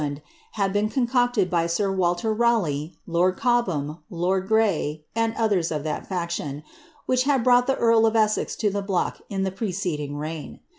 311 land, had been concocted by sir Walter Raleigh, lord Cobham, lord Grey, and others of that faction, which had brought the earl of Eaaez to the block in the preceding reign.